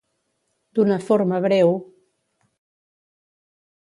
D'una forma breu...